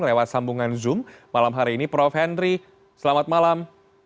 lewat sambungan zoom malam hari ini prof henry selamat malam